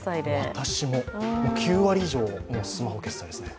私も、９割以上もうスマホ決済ですね。